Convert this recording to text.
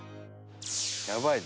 やばいね。